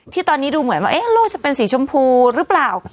ที่ตอนนี้ดูเหมือนว่าโลกจะเป็นสีชมพูหรือเปล่า